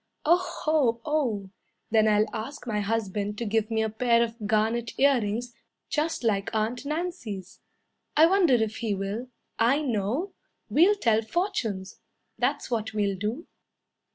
"Oh o o! Then I'll ask my husband to give me a pair of garnet earrings Just like Aunt Nancy's. I wonder if he will. I know. We'll tell fortunes. That's what we'll do."